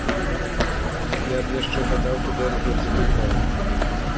Я б яшчэ дадаў туды ангельскую мову.